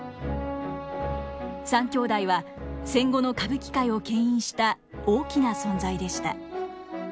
三兄弟は戦後の歌舞伎界をけん引した大きな存在でした。